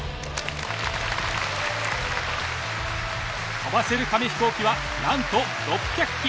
飛ばせる紙飛行機はなんと６００機。